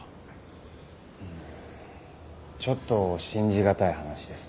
うーんちょっと信じがたい話ですね。